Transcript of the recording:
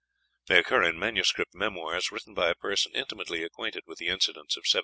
They occur in manuscript memoirs, written by a person intimately acquainted with the incidents of 1745.